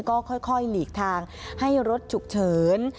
ก็ค่อยหลีกทางให้รถฉุกเฉิน